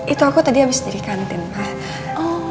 itu aku tadi habis sendiri kantin ma